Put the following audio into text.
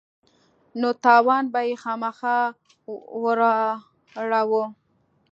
نو تاوان به يې خامخا وراړاوه.